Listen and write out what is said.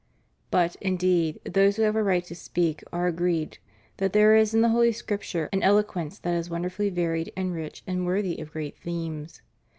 ^ But, indeed, those who have a right to speak are agreed that there is in the Holy Scripture an eloquence that is wonderfully varied and rich and worthy of great themes.